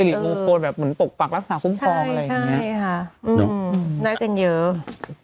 สิริโมโคลแบบเหมือนตกปากรักษาคุ้มครองอะไรอย่างนี้ใช่ค่ะอื้อได้เต็มเยอะ